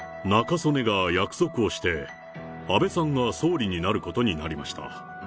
中曽根が約束をして、安倍さんが総理になることになりました。